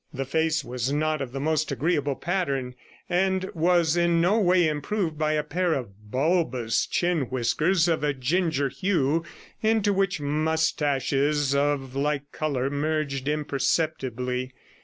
The face was not of the most agreeable pattern, and was in no way improved by a pair of bulbous chin whiskers of a ginger hue, into which moustaches of like colour merged imperceptibly.